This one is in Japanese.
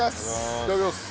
いただきます。